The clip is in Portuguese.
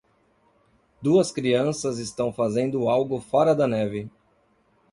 Duas crianças estão fazendo algo fora da neve.